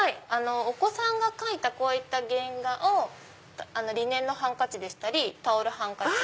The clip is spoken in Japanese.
お子さんが描いたこういった原画をリネンのハンカチでしたりタオルハンカチ